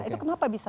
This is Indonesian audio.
nah itu kenapa bisa